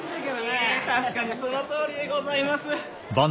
ええ確かにそのとおりでございます。